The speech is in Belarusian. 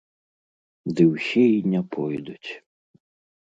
Ды ўсе і не пойдуць.